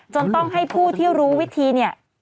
จนต้องให้ผู้ที่รู้วิธีเนี่ย